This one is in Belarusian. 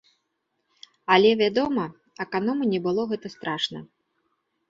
Але, вядома, аканому не было гэта страшна.